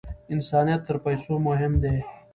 انسانیت تر پیسو مهم دی.